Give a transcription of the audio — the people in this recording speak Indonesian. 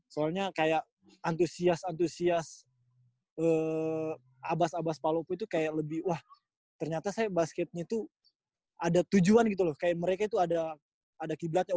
soalnya kayak antusias antusias abas abas palopo itu kayak lebih wah ternyata saya basketnya tuh ada tujuan gitu loh kayak mereka tuh ada ada qiblatnya